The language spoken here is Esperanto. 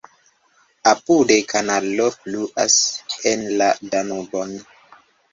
Apude kanalo fluas en la Danubon.